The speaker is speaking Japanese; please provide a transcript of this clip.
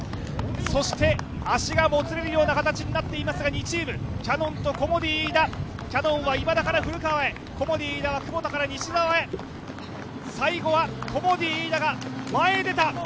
そして足がもつれるような形になっていますが２チームキヤノンとコモディイイダはキヤノンは今田から古川へ、コモディイイダは久保田から西澤へ最後はコモディイイダが前へ出た！